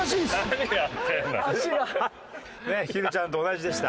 ねえひるちゃんと同じでした。